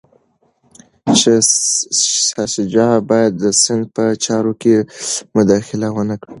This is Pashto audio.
شاه شجاع باید د سند په چارو کي مداخله ونه کړي.